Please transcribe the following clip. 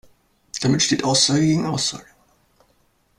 Damit steht Aussage gegen Aussage.